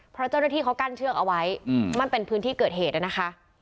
เพราะเจ้าหน้าที่เขากั้นเชือกเอาไว้มันเป็นพื้นที่เกิดเหตุนะคะ